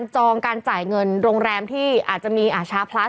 จองการจ่ายเงินโรงแรมที่อาจจะมีชาพลัส